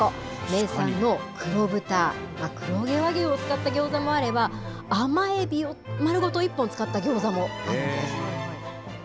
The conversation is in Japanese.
名産の黒豚、黒毛和牛を使ったギョーザもあれば、甘エビを丸ごと一本使ったギョーザもあるんです。